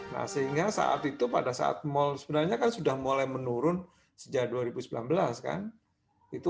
nah sehingga saat itu pada saat mall sebenarnya kan sudah mulai menurun sejak dua ribu sembilan belas kan itu